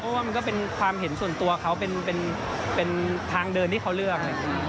เพราะว่ามันก็เป็นความเห็นส่วนตัวเขาเป็นทางเดินที่เขาเลือก